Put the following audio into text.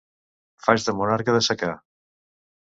Faig de monarca de secà.